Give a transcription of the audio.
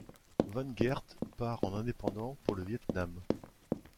Van Geirt part, en indépendant, pour le Viêt Nam.